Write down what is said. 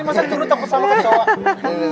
masa curut takut sama kecoa